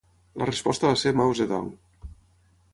La resposta va ser Mao Zedong.